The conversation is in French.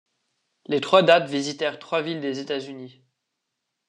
Les trois dates visitèrent trois villes des États-Unis.